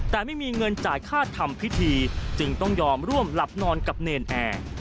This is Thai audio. แต่ไม่มีเงินจ่ายค่าทำพิธีจึงต้องยอมร่วมหลับนอนกับเนรนแอร์